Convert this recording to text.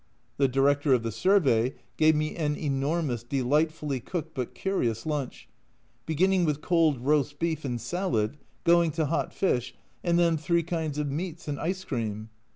The Director of the Survey gave me an enormous, delightfully cooked, but curious lunch beginning with cold roast beef and salad, going to hot fish, and then three kinds of meats, and ice cream